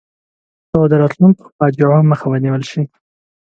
څو د راتلونکو فاجعو مخه ونیول شي.